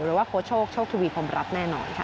หรือว่าโค้ดโชคโชคทีวีผมรับแน่นอนค่ะ